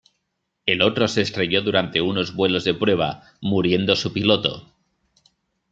El otro se estrelló durante unos vuelos de prueba, muriendo su piloto.